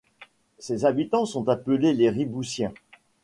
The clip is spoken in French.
Ses habitants sont appelés les Ribouissiens.